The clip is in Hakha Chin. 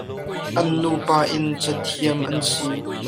An nupa in cathiam an si.